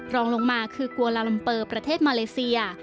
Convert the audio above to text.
รองลงมาคือกัวลาลัมเปอร์ประเทศมาเลเซีย